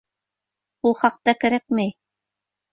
Ул хаҡта кәрәкмәй.